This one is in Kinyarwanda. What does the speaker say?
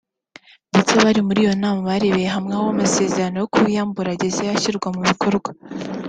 ndetse bari muri iyo nama barebeye hamwe aho amasezerano yo kubiyambura ageze ashyirwa mu bikorwa